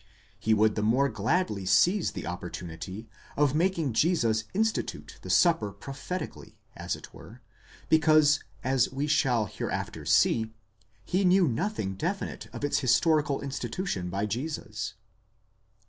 He would the more gladly seize the opportunity of making Jesus institute the supper pro phetically, as it were ; because, as we shall hereafter see, he knew nothing definite of its historical institution by Jesus.